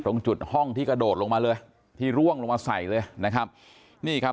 ตรงจุดห้องที่กระโดดลงมาเลยที่ร่วงลงมาใส่เลยนะครับนี่ครับ